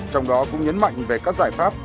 trong đó cũng nhấn mạnh về các giải pháp